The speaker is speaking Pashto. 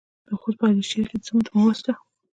د خوست په علي شیر کې د سمنټو مواد شته.